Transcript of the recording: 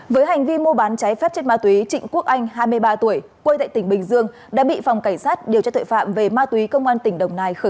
với hành vi mua bán trái phép chất ma túy trịnh quốc anh hai mươi ba tuổi quê tại tỉnh bình dương đã bị phòng cảnh sát điều tra tuệ phạm về ma túy công an tp đồng bình